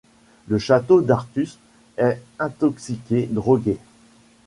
Le château d’Artus est intoxiqué, drogué.